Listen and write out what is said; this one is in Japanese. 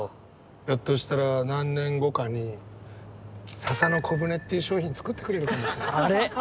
ひょっとしたら何年後かに「笹の小船」っていう商品作ってくれるかもしれない。